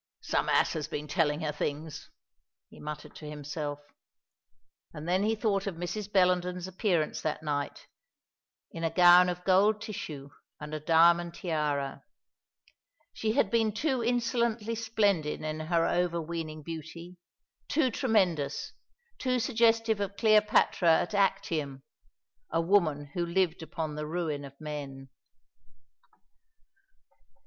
"Some ass has been telling her things," he muttered to himself. And then he thought of Mrs. Bellenden's appearance that night, in a gown of gold tissue, and a diamond tiara. She had been too insolently splendid in her overweening beauty, too tremendous, too suggestive of Cleopatra at Actium, a woman who lived upon the ruin of men.